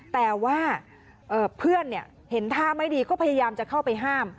แต่ว่าเพื่อนเห็นท่าไม่ดีก็พยายามจะเข้าไปห้าม